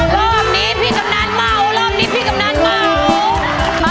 รอบนี้พี่กำนันเมารอบนี้พี่กำนันเมา